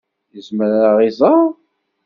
Yezmer ad ɣ-iẓer?